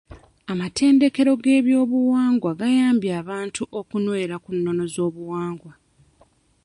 Amatendekero g'ebyobuwangwa gayambye abantu okunywera ku nnono z'obuwangwa.